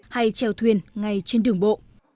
hay treo thuyền ngay trên đường bộ